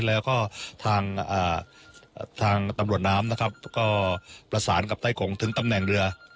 แล้วก็ทางตำรวจน้ำนะครับก็ประสานกับใต้โขงถึงตำแหน่งเรือ